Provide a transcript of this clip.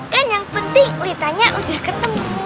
kan yang penting litanya udah ketemu